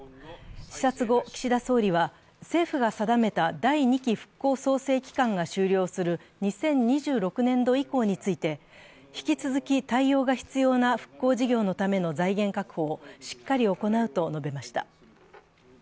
視察後、岸田総理は政府が定めた第２期復興・創生期間が終了する２０２６年度以降について引き続き対応が必要な復興事業のための財源確保をしっかり行うと述べました。